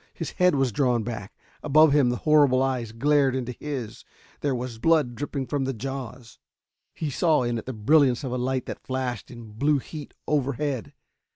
His head was drawn back. Above him the horrible eyes glared into his there was blood dripping from the jaws.... He saw it in the brilliance of a light that flashed in blue heat overhead.